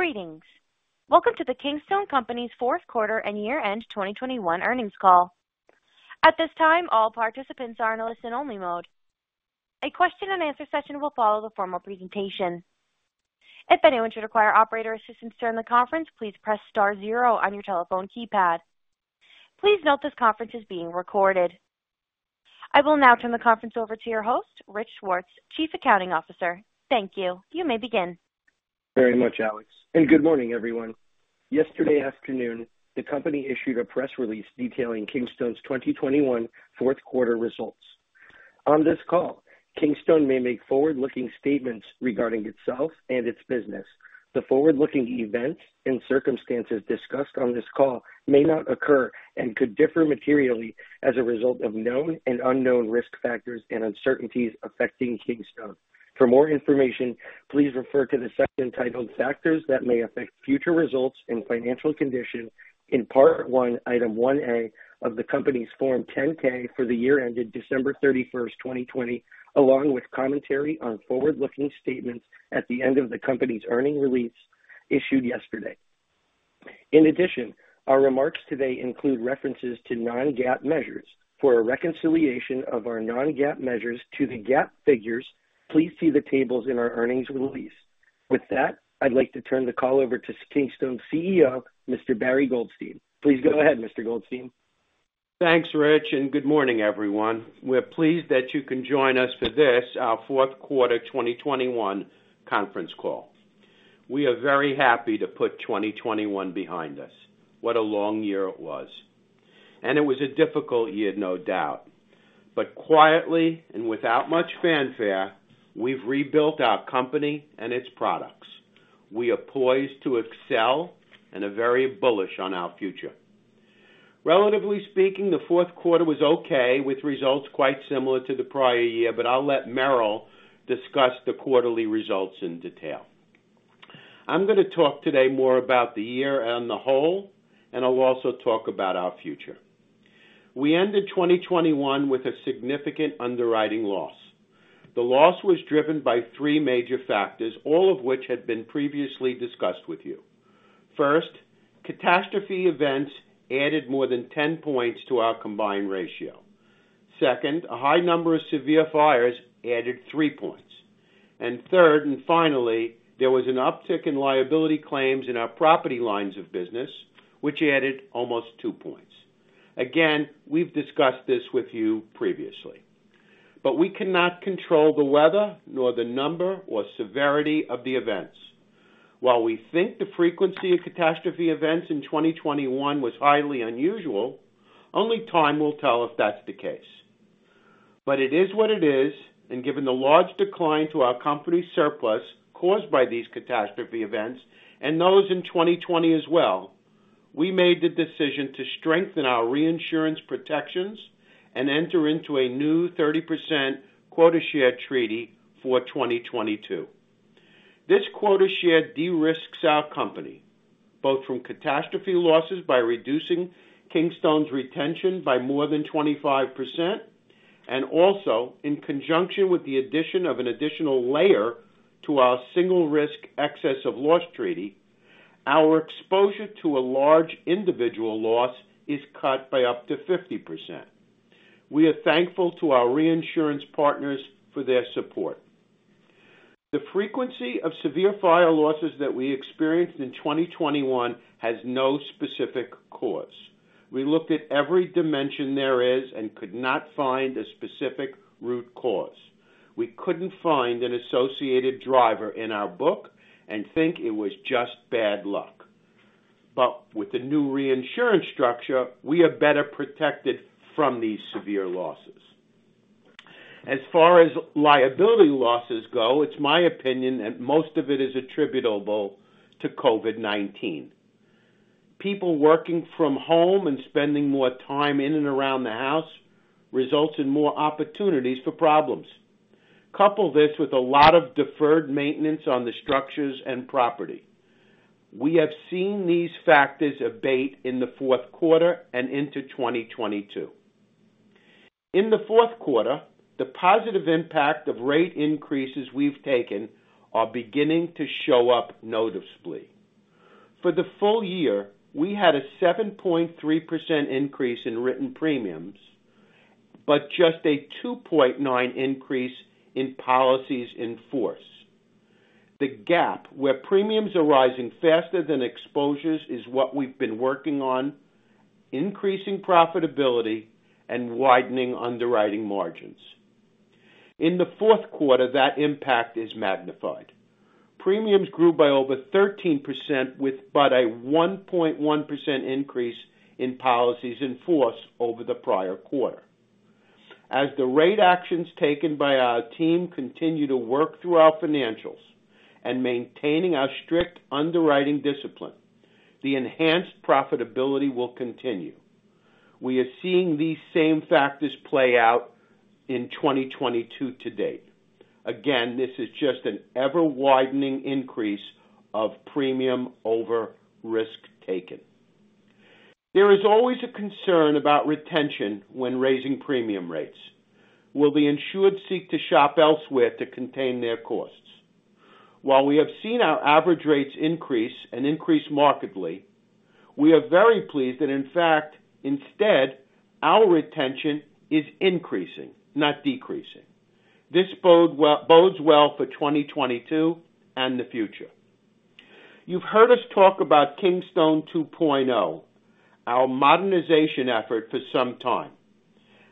Greetings. Welcome to the Kingstone Companies, Inc.'s Fourth Quarter and Year-End 2021 Earnings Call. At this time, all participants are in a listen-only mode. A question-and-answer session will follow the formal presentation. If anyone should require operator assistance during the conference, please press star zero on your telephone keypad. Please note this conference is being recorded. I will now turn the conference over to your host, Rich Swartz, Chief Accounting Officer. Thank you. You may begin. Very much, Alex, and good morning, everyone. Yesterday afternoon, the company issued a press release detailing Kingstone's 2021 Fourth Quarter Results. On this call, Kingstone may make forward-looking statements regarding itself and its business. The forward-looking events and circumstances discussed on this call may not occur and could differ materially as a result of known and unknown risk factors and uncertainties affecting Kingstone. For more information, please refer to the section titled Factors that may affect future results and financial condition in part one, item 1A of the company's Form 10-K for the year ended December 31, 2020, along with commentary on forward-looking statements at the end of the company's earnings release issued yesterday. In addition, our remarks today include references to non-GAAP measures. For a reconciliation of our non-GAAP measures to the GAAP figures, please see the tables in our earnings release. With that, I'd like to turn the call over to Kingstone CEO, Mr. Barry Goldstein. Please go ahead, Mr. Goldstein. Thanks, Rich, and good morning, everyone. We're pleased that you can join us for this, Our Fourth Quarter 2021 Conference Call. We are very happy to put 2021 behind us. What a long year it was, and it was a difficult year, no doubt. Quietly and without much fanfare, we've rebuilt our company and its products. We are poised to excel and are very bullish on our future. Relatively speaking, the fourth quarter was okay, with results quite similar to the prior year. I'll let Meryl discuss the quarterly results in detail. I'm going to talk today more about the year on the whole, and I'll also talk about our future. We ended 2021 with a significant underwriting loss. The loss was driven by three major factors, all of which had been previously discussed with you. First, catastrophe events added more than 10 points to our combined ratio. Second, a high number of severe fires added three points. Third, and finally, there was an uptick in liability claims in our property lines of business, which added almost two points. Again, we've discussed this with you previously, but we cannot control the weather nor the number or severity of the events. While we think the frequency of catastrophe events in 2021 was highly unusual, only time will tell if that's the case. It is what it is. Given the large decline to our company surplus caused by these catastrophe events and those in 2020 as well, we made the decision to strengthen our reinsurance protections and enter into a new 30% quota share treaty for 2022. This quota share de-risks our company both from catastrophe losses by reducing Kingstone's retention by more than 25%, and also in conjunction with the addition of an additional layer to our single risk excess of loss treaty. Our exposure to a large individual loss is cut by up to 50%. We are thankful to our reinsurance partners for their support. The frequency of severe fire losses that we experienced in 2021 has no specific cause. We looked at every dimension there is and could not find a specific root cause. We couldn't find an associated driver in our book and think it was just bad luck. With the new reinsurance structure, we are better protected from these severe losses. As far as liability losses go, it's my opinion that most of it is attributable to COVID-19. People working from home and spending more time in and around the house results in more opportunities for problems. Couple this with a lot of deferred maintenance on the structures and property. We have seen these factors abate in the fourth quarter and into 2022. In the fourth quarter, the positive impact of rate increases we've taken are beginning to show up noticeably. For the full year, we had a 7.3% increase in written premiums, but just a 2.9% increase in policies in force. The gap where premiums are rising faster than exposures is what we've been working on, increasing profitability and widening underwriting margins. In the fourth quarter, that impact is magnified. Premiums grew by over 13%, with but a 1.1% increase in policies in force over the prior quarter. As the rate actions taken by our team continue to work through our financials and maintaining our strict underwriting discipline, the enhanced profitability will continue. We are seeing these same factors play out in 2022 to date. Again, this is just an ever widening increase of premium over risk taken. There is always a concern about retention when raising premium rates. Will the insured seek to shop elsewhere to contain their costs? While we have seen our average rates increase and increase markedly, we are very pleased that, in fact, instead our retention is increasing, not decreasing. This bodes well for 2022 and the future. You've heard us talk about Kingstone 2.0, our modernization effort for some time.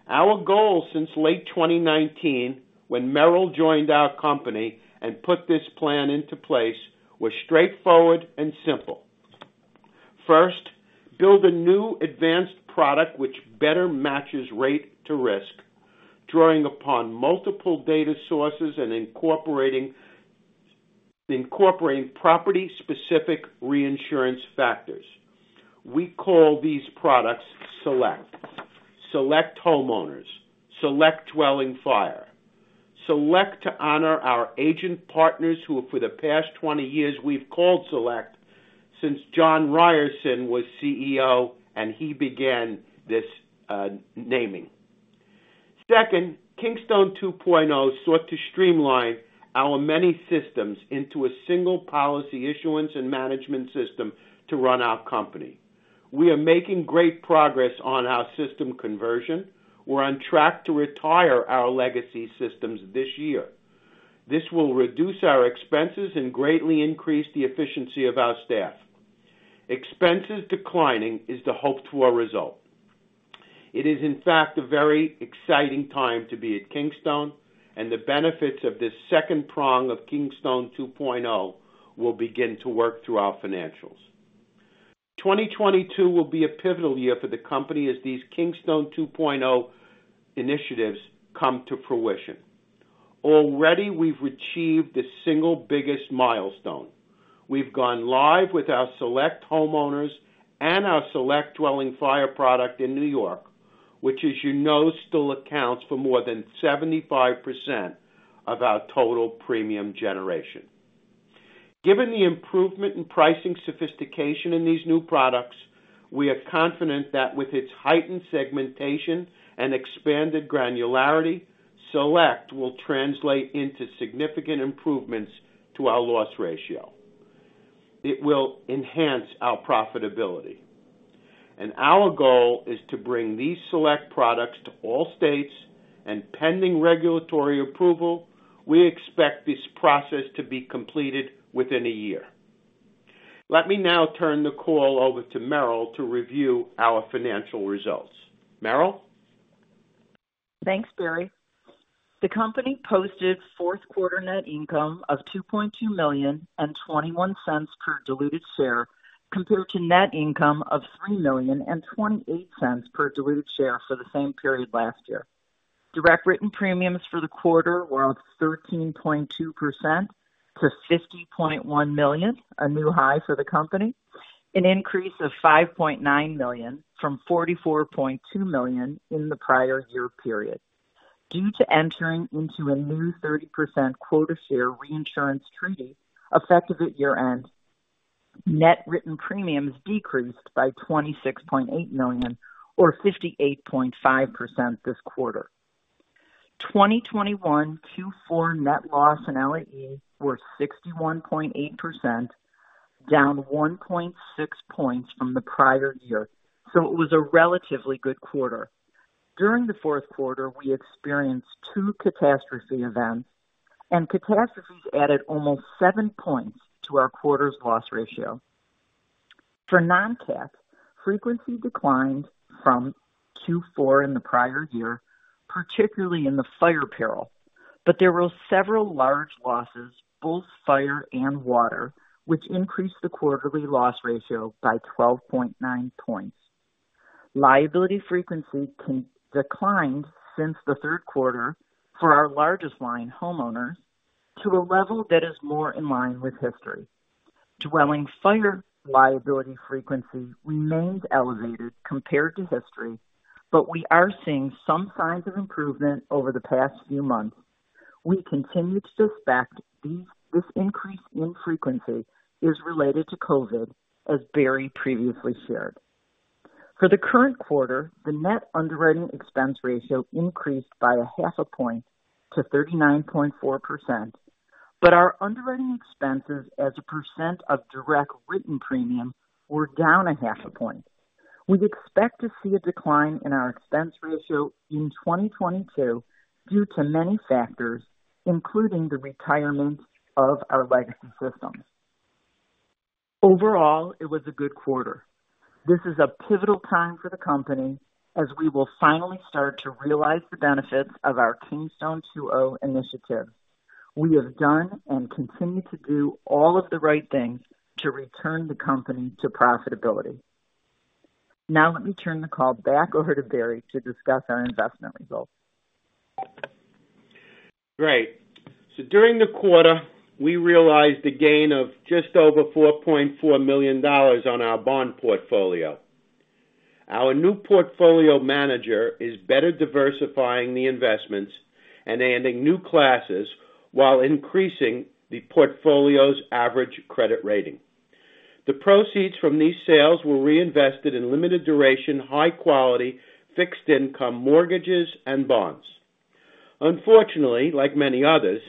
Our goal since late 2019 when Meryl joined our company and put this plan into place was straightforward and simple. First, build a new advanced product which better matches rate to risk, drawing upon multiple data sources and incorporating property-specific reinsurance factors. We call these products Select. Select Homeowners, Select Dwelling Fire. Select to honor our agent partners who for the past 20 years we've called Select since John Ryerson was CEO, and he began this naming. Second, Kingstone 2.0 sought to streamline our many systems into a single policy issuance and management system to run our company. We are making great progress on our system conversion. We're on track to retire our legacy systems this year. This will reduce our expenses and greatly increase the efficiency of our staff. Expenses declining is the hoped for result. It is, in fact, a very exciting time to be at Kingstone, and the benefits of this second prong of Kingstone 2.0 will begin to work through our financials. 2022 will be a pivotal year for the company as these Kingstone 2.0 initiatives come to fruition. Already we've achieved the single biggest milestone. We've gone live with our Select Homeowners and our Select Dwelling Fire product in New York, which, as you know, still accounts for more than 75% of our total premium generation. Given the improvement in pricing sophistication in these new products, we are confident that with its heightened segmentation and expanded granularity, Select will translate into significant improvements to our loss ratio. It will enhance our profitability. Our goal is to bring these Select products to all states, and pending regulatory approval, we expect this process to be completed within a year. Let me now turn the call over to Meryl to review our financial results. Meryl. Thanks, Barry. The company posted fourth quarter net income of $2.2 million and $0.21 per diluted share, compared to net income of $3 million and $0.28 per diluted share for the same period last year. Direct written premiums for the quarter were up 13.2% to $50.1 million, a new high for the company, an increase of $5.9 million from $44.2 million in the prior year period. Due to entering into a new 30% quota share reinsurance treaty effective at year-end, net written premiums decreased by $26.8 million or 58.5% this quarter. 2021 Q4 net loss and LAE were 61.8%, down 1.6 points from the prior year, so it was a relatively good quarter. During the fourth quarter, we experienced two catastrophe events, and catastrophes added almost seven points to our quarter's loss ratio. For non-cat, frequency declined from Q4 in the prior year, particularly in the fire peril. There were several large losses, both fire and water, which increased the quarterly loss ratio by 12.9 points. Liability frequency declined since the third quarter for our largest line homeowners to a level that is more in line with history. Dwelling fire liability frequency remains elevated compared to history, but we are seeing some signs of improvement over the past few months. We continue to suspect this increase in frequency is related to COVID-19, as Barry previously shared. For the current quarter, the net underwriting expense ratio increased by half a point to 39.4%. Our underwriting expenses as a % of direct written premium were down half a point. We expect to see a decline in our expense ratio in 2022 due to many factors, including the retirement of our legacy system. Overall, it was a good quarter. This is a pivotal time for the company as we will finally start to realize the benefits of our Kingstone 2.0 initiative. We have done and continue to do all of the right things to return the company to profitability. Now let me turn the call back over to Barry to discuss our investment results. Great. During the quarter, we realized a gain of just over $4.4 million on our bond portfolio. Our new portfolio manager is better diversifying the investments and adding new classes while increasing the portfolio's average credit rating. The proceeds from these sales were reinvested in limited duration, high quality fixed income mortgages and bonds. Unfortunately, like many others,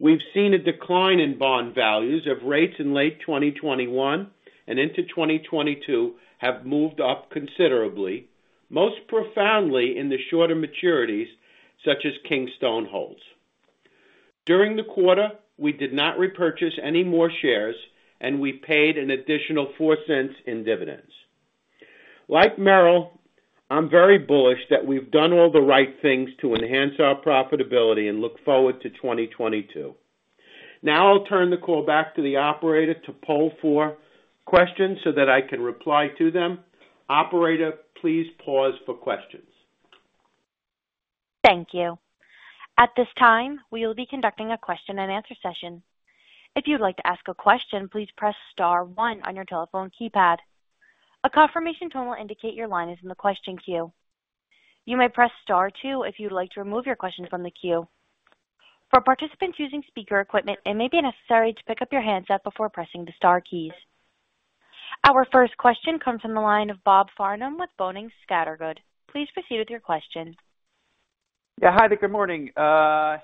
we've seen a decline in bond values as rates in late 2021 and into 2022 have moved up considerably, most profoundly in the shorter maturities, such as Kingstone holds. During the quarter, we did not repurchase any more shares, and we paid an additional $0.04 in dividends. Like Meryl, I'm very bullish that we've done all the right things to enhance our profitability and look forward to 2022. Now I'll turn the call back to the operator to poll for questions so that I can reply to them. Operator, please pause for questions. Thank you. At this time, we will be conducting a question and answer session. If you'd like to ask a question, please press star one on your telephone keypad. A confirmation tone will indicate your line is in the question queue. You may press star two if you'd like to remove your question from the queue. For participants using speaker equipment, it may be necessary to pick up your handset before pressing the star keys. Our first question comes from the line of Bob Farnham with Boenning & Scattergood. Please proceed with your question. Yeah. Hi there. Good morning. The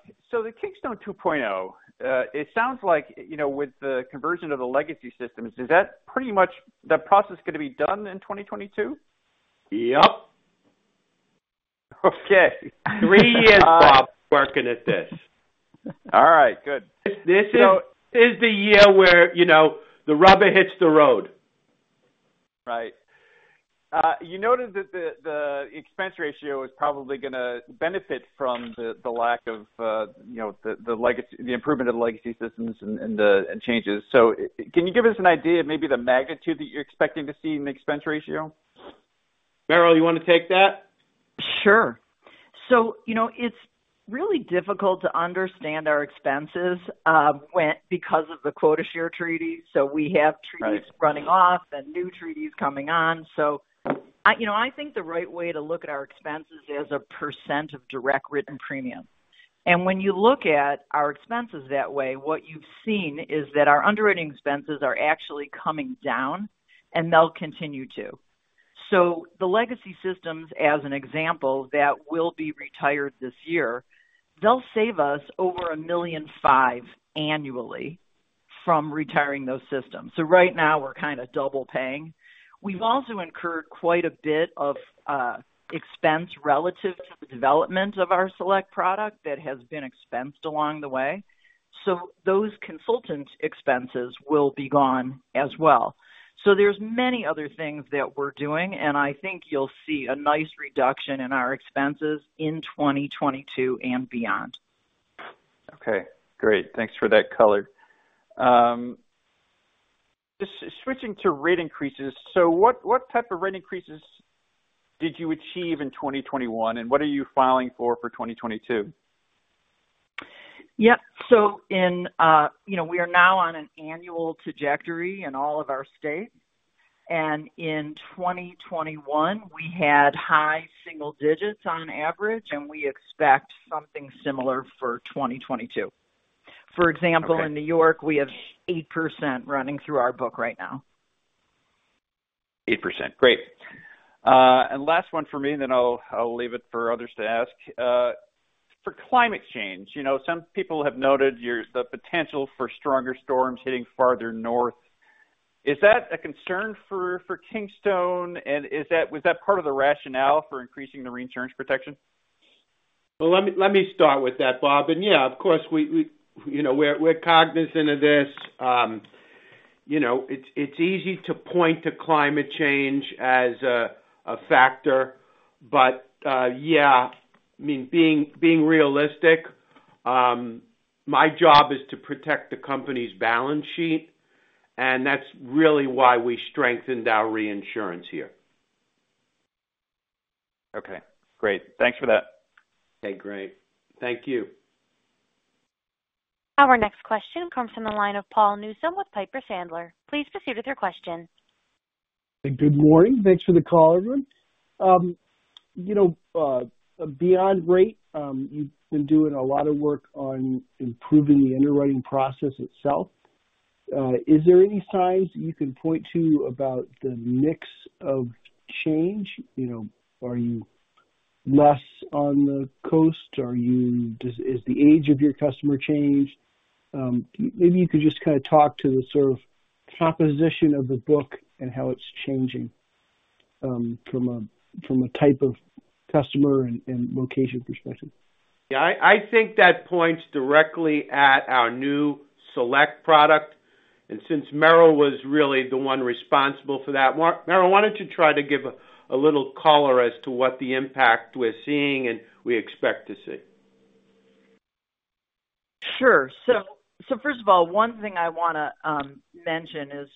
Kingstone 2.0, it sounds like, you know, with the conversion of the legacy systems, is that pretty much the process gonna be done in 2022? Yep. Okay. Three years, Bob, working at this. All right, good. This is the year where, you know, the rubber hits the road. Right. You noted that the expense ratio is probably gonna benefit from the improvement of the legacy systems and the changes. Can you give us an idea of maybe the magnitude that you're expecting to see in the expense ratio? Meryl, you wanna take that? Sure. You know, it's really difficult to understand our expenses, because of the quota share treaties. We have treaties- Right. Running off and new treaties coming on. I, you know, I think the right way to look at our expenses is a percent of direct written premium. When you look at our expenses that way, what you've seen is that our underwriting expenses are actually coming down, and they'll continue to. The legacy systems, as an example, that will be retired this year, they'll save us over $1.5 million annually from retiring those systems. Right now we're kind of double paying. We've also incurred quite a bit of expense relative to the development of our Select product that has been expensed along the way. Those consultant expenses will be gone as well. There's many other things that we're doing, and I think you'll see a nice reduction in our expenses in 2022 and beyond. Okay, great. Thanks for that color. Just switching to rate increases. What type of rate increases did you achieve in 2021, and what are you filing for 2022? Yeah. In, you know, we are now on an annual trajectory in all of our states. In 2021, we had high single digits% on average, and we expect something similar for 2022. Okay. For example, in New York, we have 8% running through our book right now. 8%. Great. Last one for me, then I'll leave it for others to ask. For climate change, you know, some people have noted the potential for stronger storms hitting farther north. Is that a concern for Kingstone? Was that part of the rationale for increasing the reinsurance protection? Well, let me start with that, Bob. Yeah, of course, we, you know, we're cognizant of this. You know, it's easy to point to climate change as a factor, but yeah. I mean, being realistic, my job is to protect the company's balance sheet, and that's really why we strengthened our reinsurance here. Okay, great. Thanks for that. Okay, great. Thank you. Our next question comes from the line of Paul Newsome with Piper Sandler. Please proceed with your question. Good morning. Thanks for the call, everyone. You know, beyond rate, you've been doing a lot of work on improving the underwriting process itself. Is there any signs that you can point to about the mix of change? You know, are you less on the coast? Is the age of your customer changed? Maybe you could just kinda talk to the sort of composition of the book and how it's changing from a type of customer and location perspective. Yeah. I think that points directly at our new Select product. Since Meryl was really the one responsible for that one, Meryl, why don't you try to give a little color as to what the impact we're seeing and we expect to see. Sure. First of all, one thing I wanna mention is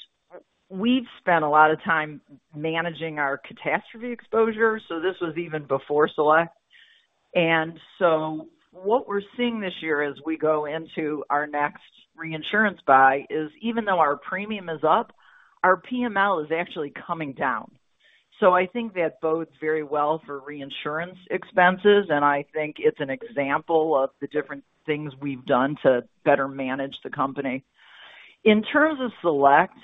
we've spent a lot of time managing our catastrophe exposure. This was even before Select. What we're seeing this year as we go into our next reinsurance buy is even though our premium is up, our PML is actually coming down. I think that bodes very well for reinsurance expenses, and I think it's an example of the different things we've done to better manage the company. In terms of Select,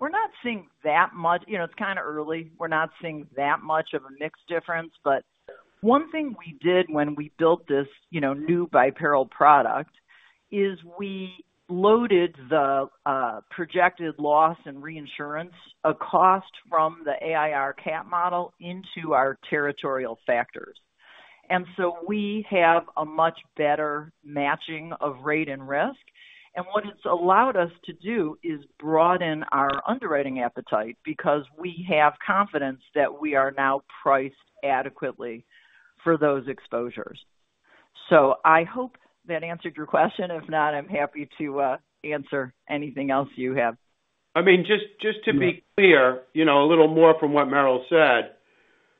we're not seeing that much. You know, it's kinda early. We're not seeing that much of a mix difference, but one thing we did when we built this, you know, new by peril product is we loaded the projected loss and reinsurance cost from the AIR cat model into our territorial factors. We have a much better matching of rate and risk. What it's allowed us to do is broaden our underwriting appetite because we have confidence that we are now priced adequately for those exposures. I hope that answered your question. If not, I'm happy to answer anything else you have. I mean, just to be clear, you know, a little more from what Meryl said.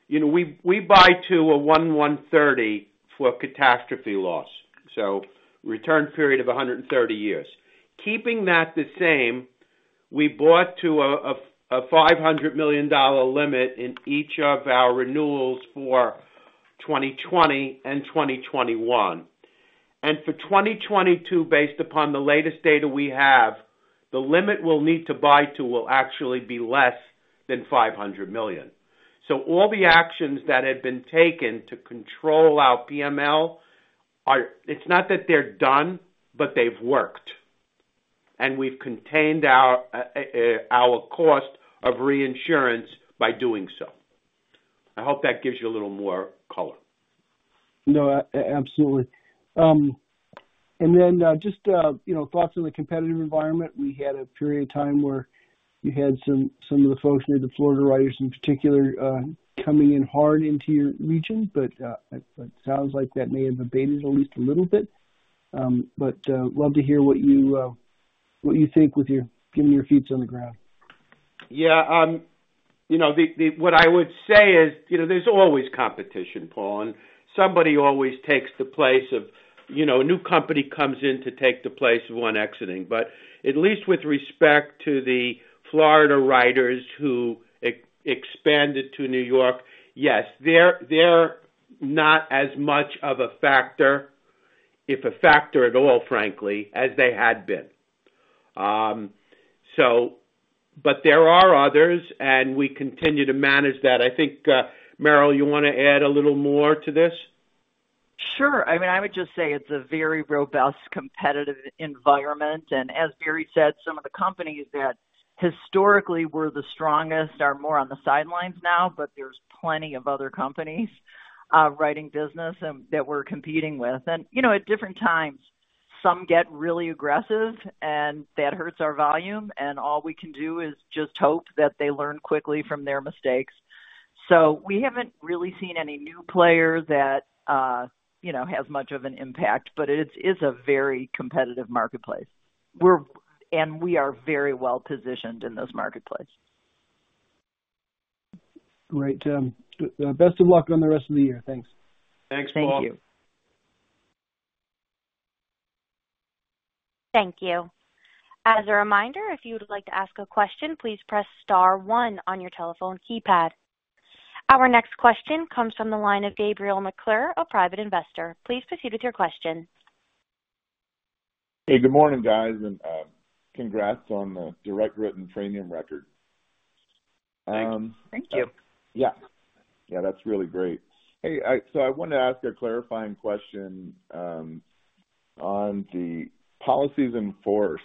You know, we buy to a 130 for catastrophe loss, so return period of a 130 years. Keeping that the same, we bought to a five hundred million dollar limit in each of our renewals for 2020 and 2021. For 2022, based upon the latest data we have, the limit we'll need to buy to will actually be less than $500 million. All the actions that have been taken to control our PML are. It's not that they're done, but they've worked. We've contained our cost of reinsurance by doing so. I hope that gives you a little more color. No, absolutely. Then, just, you know, thoughts on the competitive environment. We had a period of time where you had some of the folks near the Florida writers in particular, coming in hard into your region. It sounds like that may have abated at least a little bit. Love to hear what you think, given your feet on the ground. Yeah. What I would say is, you know, there's always competition, Paul, and somebody always takes the place of, you know, a new company comes in to take the place of one exiting. At least with respect to the Florida writers who expanded to New York, yes, they're not as much of a factor, if a factor at all, frankly, as they had been. There are others, and we continue to manage that. I think, Meryl, you wanna add a little more to this? Sure. I mean, I would just say it's a very robust competitive environment, and as Barry said, some of the companies that historically were the strongest are more on the sidelines now, but there's plenty of other companies writing business that we're competing with. You know, at different times, some get really aggressive, and that hurts our volume, and all we can do is just hope that they learn quickly from their mistakes. We haven't really seen any new player that you know has much of an impact, but it's a very competitive marketplace. We are very well-positioned in those marketplaces. Great. Best of luck on the rest of the year. Thanks. Thanks, Paul. Thank you. Thank you. As a reminder, if you would like to ask a question, please press star one on your telephone keypad. Our next question comes from the line of Gabriel McClure, a private investor. Please proceed with your question. Hey, good morning, guys, and congrats on the direct written premium record. Thank you. Yeah. Yeah, that's really great. Hey, I wanted to ask a clarifying question on the policies in force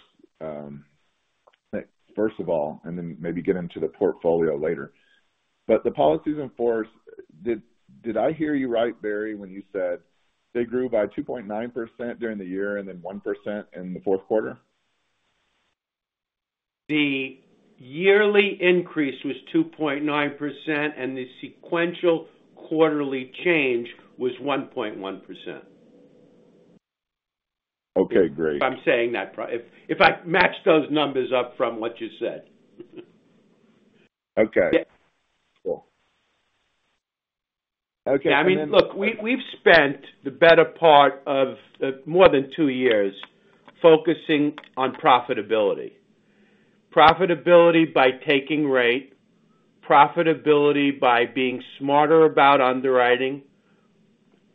first of all, and then maybe get into the portfolio later. The policies in force, did I hear you right, Barry, when you said they grew by 2.9% during the year and then 1% in the fourth quarter? The yearly increase was 2.9%, and the sequential quarterly change was 1.1%. Okay, great. If I match those numbers up from what you said. Okay. Yeah. Cool. Okay. I mean, look, we've spent the better part of more than two years focusing on profitability. Profitability by taking rate, profitability by being smarter about underwriting,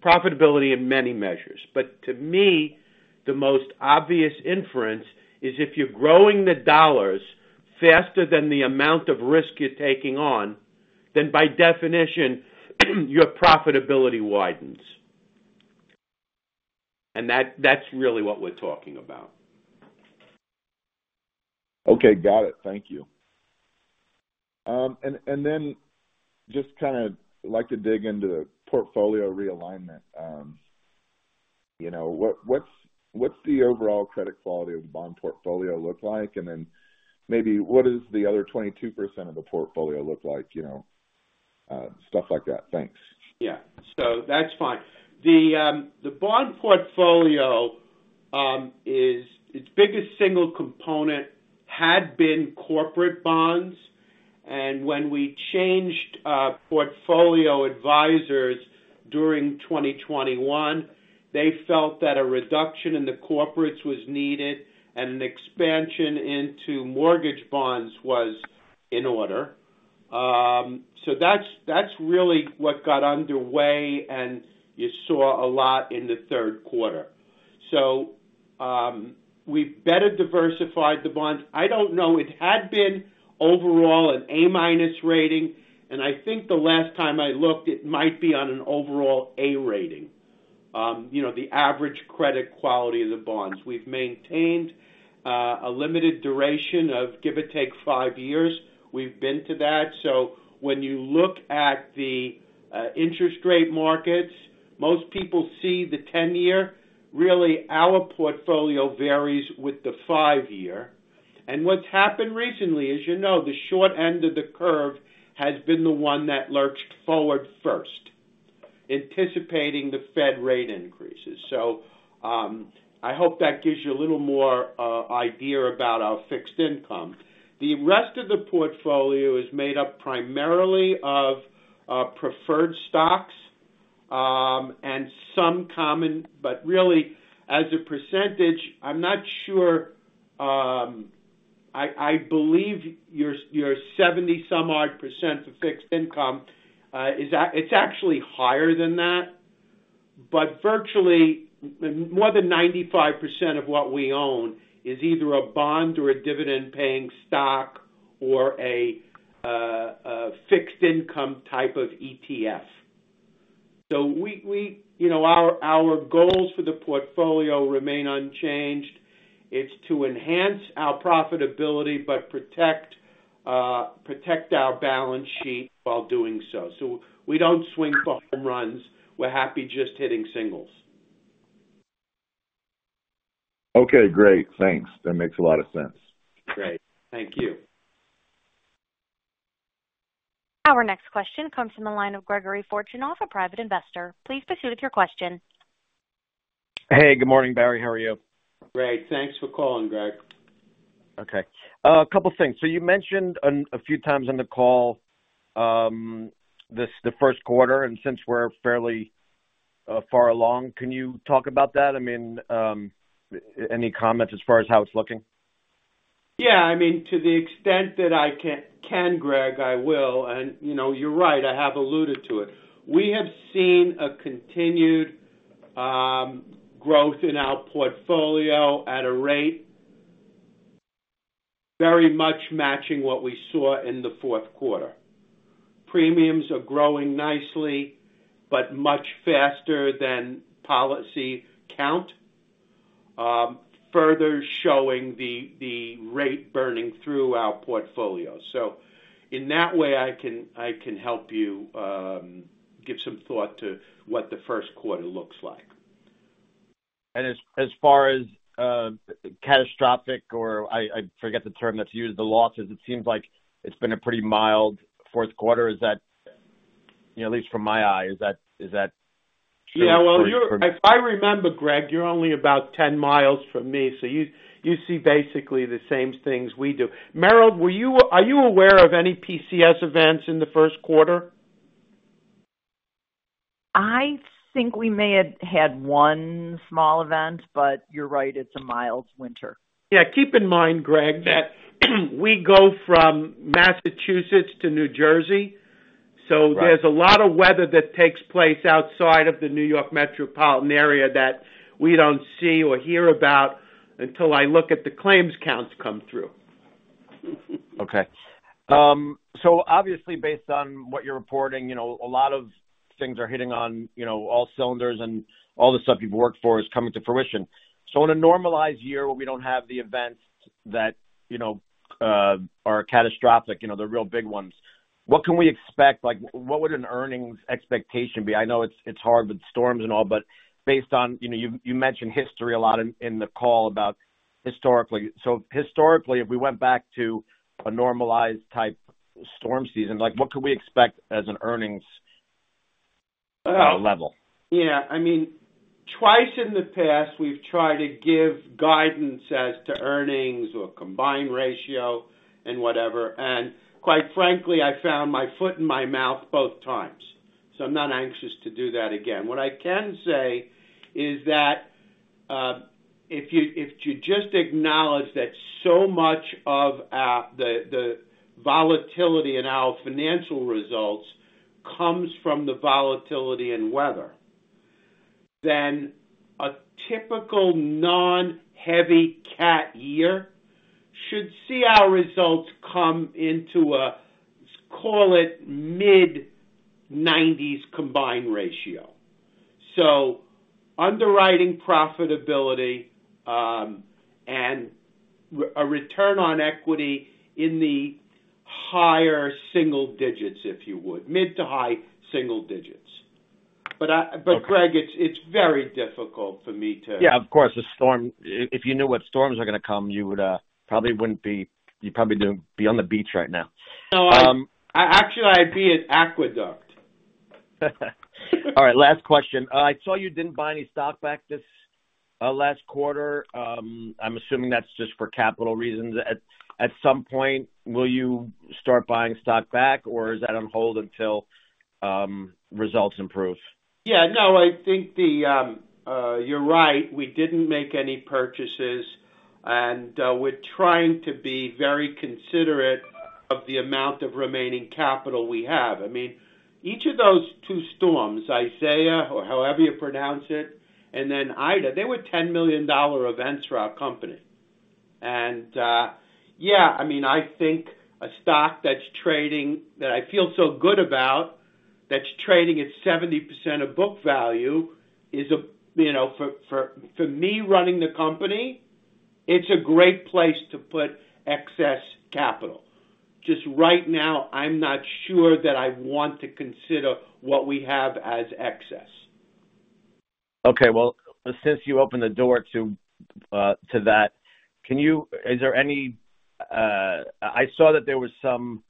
profitability in many measures. To me, the most obvious inference is if you're growing the dollars faster than the amount of risk you're taking on, then by definition, your profitability widens. That's really what we're talking about. Okay, got it. Thank you. Just kinda like to dig into the portfolio realignment. You know, what's the overall credit quality of the bond portfolio look like? Maybe what is the other 22% of the portfolio look like? You know, stuff like that. Thanks. Yeah. That's fine. The bond portfolio is its biggest single component had been corporate bonds. When we changed portfolio advisors during 2021, they felt that a reduction in the corporates was needed and an expansion into mortgage bonds was in order. That's really what got underway, and you saw a lot in the third quarter. We better diversified the bonds. I don't know it had been overall an A-minus rating, and I think the last time I looked, it might be on an overall A rating. You know, the average credit quality of the bonds. We've maintained a limited duration of give or take five years. We've been to that. When you look at the interest rate markets, most people see the 10-year. Really, our portfolio varies with the five-year. What's happened recently, as you know, the short end of the curve has been the one that lurched forward first, anticipating the Fed rate increases. I hope that gives you a little more idea about our fixed income. The rest of the portfolio is made up primarily of preferred stocks and some common. But really, as a percentage, I'm not sure. I believe your 70-some-odd percent of fixed income is actually higher than that, but virtually more than 95% of what we own is either a bond or a dividend-paying stock or a fixed income type of ETF. We, you know, our goals for the portfolio remain unchanged. It's to enhance our profitability but protect our balance sheet while doing so. We don't swing for home runs. We're happy just hitting singles. Okay, great. Thanks. That makes a lot of sense. Great. Thank you. Our next question comes from the line of Gregory Fortunoff, a private investor. Please proceed with your question. Hey, good morning, Barry. How are you? Great. Thanks for calling, Greg. Okay. A couple things. You mentioned a few times on the call the first quarter, and since we're fairly far along, can you talk about that? I mean, any comments as far as how it's looking? Yeah, I mean, to the extent that I can, Greg, I will. You know, you're right, I have alluded to it. We have seen a continued growth in our portfolio at a rate very much matching what we saw in the fourth quarter. Premiums are growing nicely but much faster than policy count, further showing the rate burning through our portfolio. In that way, I can help you give some thought to what the first quarter looks like. As far as catastrophic, or I forget the term that's used, the losses, it seems like it's been a pretty mild fourth quarter. You know, at least to my eye, is that true for you? Yeah, well, if I remember, Greg, you're only about 10 miles from me, so you see basically the same things we do. Meryl, are you aware of any PCS events in the first quarter? I think we may have had one small event, but you're right, it's a mild winter. Yeah. Keep in mind, Greg, that we go from Massachusetts to New Jersey, so. Right. There's a lot of weather that takes place outside of the New York metropolitan area that we don't see or hear about until I look at the claims counts come through. Okay. Obviously, based on what you're reporting, you know, a lot of things are hitting on, you know, all cylinders and all the stuff you've worked for is coming to fruition. In a normalized year where we don't have the events that, you know, are catastrophic, you know, the real big ones, what can we expect? Like, what would an earnings expectation be? I know it's hard with storms and all, but based on, you know, you mentioned history a lot in the call about historically. Historically, if we went back to a normalized type storm season, like what could we expect as an earnings level? Yeah, I mean, twice in the past, we've tried to give guidance as to earnings or combined ratio and whatever. Quite frankly, I found my foot in my mouth both times, so I'm not anxious to do that again. What I can say is that if you just acknowledge that so much of the volatility in our financial results comes from the volatility in weather, then a typical non-heavy cat year should see our results come into a, let's call it mid-90s combined ratio. Underwriting profitability and a return on equity in the higher single digits, if you would. Mid- to high-single digits. But I- Okay. Greg, it's very difficult for me to. Yeah, of course. The storm. If you knew what storms are gonna come, you would probably be on the beach right now. No, actually, I'd be at Aqueduct. All right, last question. I saw you didn't buy any stock back this quarter. Last quarter, I'm assuming that's just for capital reasons. At some point, will you start buying stock back or is that on hold until results improve? Yeah, no, I think you're right. We didn't make any purchases, and we're trying to be very considerate of the amount of remaining capital we have. I mean, each of those two storms, Isaias or however you pronounce it, and then Ida, they were $10 million events for our company. Yeah, I mean, I think a stock that's trading that I feel so good about, that's trading at 70% of book value is a, you know, for me running the company, it's a great place to put excess capital. Just right now, I'm not sure that I want to consider what we have as excess. Okay, well, since you opened the door to that, is there any? I saw that there was some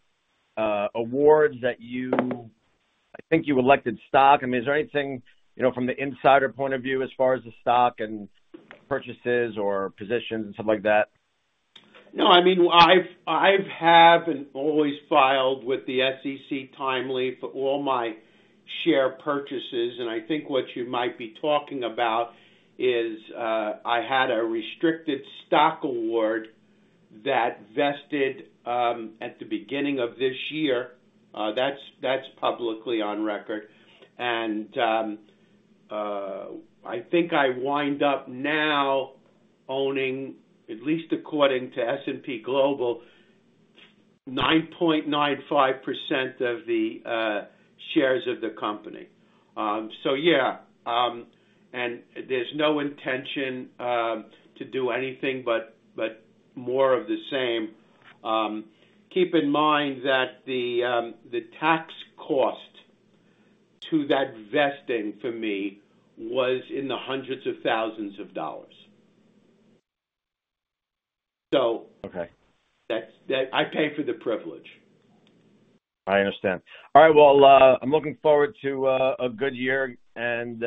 awards that you, I think you elected stock. I mean, is there anything, you know, from the insider point of view as far as the stock and purchases or positions and stuff like that? No, I mean, I have and always filed with the SEC timely for all my share purchases, and I think what you might be talking about is, I had a restricted stock award that vested at the beginning of this year. That's publicly on record. I think I wind up now owning, at least according to S&P Global, 9.95% of the shares of the company. There's no intention to do anything but more of the same. Keep in mind that the tax cost to that vesting for me was in the hundreds of thousands of dollars. So- Okay. I pay for the privilege. I understand. All right. Well, I'm looking forward to a good year and,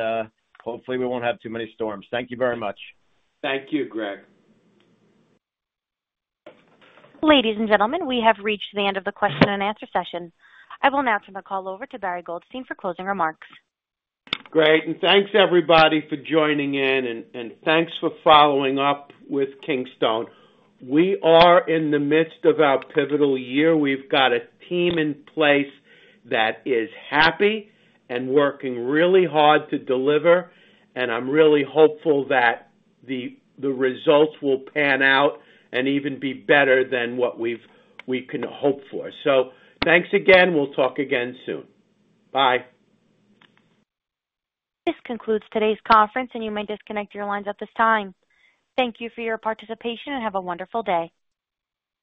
hopefully we won't have too many storms. Thank you very much. Thank you, Greg. Ladies and gentlemen, we have reached the end of the question and answer session. I will now turn the call over to Barry Goldstein for closing remarks. Great, thanks everybody for joining in and thanks for following up with Kingstone. We are in the midst of our pivotal year. We've got a team in place that is happy and working really hard to deliver, and I'm really hopeful that the results will pan out and even be better than what we can hope for. Thanks again. We'll talk again soon. Bye. This concludes today's conference, and you may disconnect your lines at this time. Thank you for your participation, and have a wonderful day.